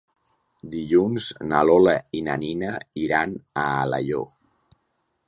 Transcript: Dilluns na Lola i na Nina iran a Alaior.